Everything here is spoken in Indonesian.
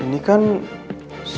ini teman mulai pas